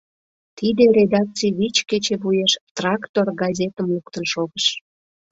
Тиде редакций вич кече вуеш «Трактор» газетым луктын шогыш.